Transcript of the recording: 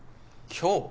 今日？